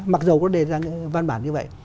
mặc dù có đề ra văn bản như vậy